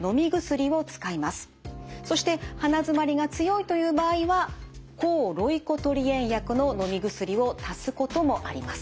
そして鼻づまりが強いという場合は抗ロイコトリエン薬ののみ薬を足すこともあります。